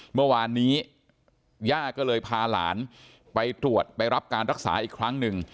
เมื่อวานนี้ย่าก็เลยพาหลานไปตรวจไปรับการรักษาอีกครั้งหนึ่ง